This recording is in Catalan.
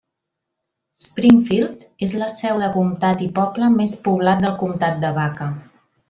Springfield és la seu de comtat i poble més poblat del Comtat de Baca.